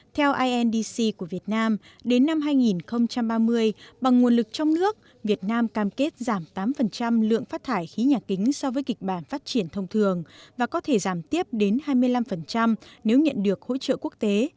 theo indc của việt nam đến năm hai nghìn ba mươi bằng nguồn lực trong nước việt nam cam kết giảm tám lượng phát thải khí nhà kính so với kịch bản phát triển thông thường và có thể giảm tiếp đến hai mươi năm nếu nhận được hỗ trợ quốc tế